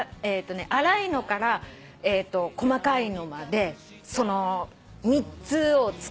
粗いのから細かいのまで３つを使い分けて。